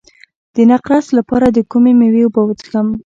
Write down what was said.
د نقرس لپاره د کومې میوې اوبه وڅښم؟